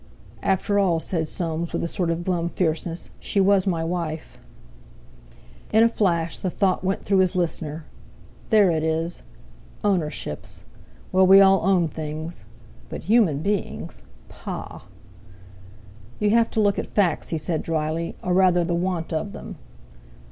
"After all," said Soames with a sort of glum fierceness, "she was my wife." In a flash the thought went through his listener: "There it is! Ownerships! Well, we all own things. But—human beings! Pah!" "You have to look at facts," he said drily, "or rather the want of them."